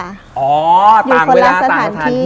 ต่างเวลาต่างสถานที่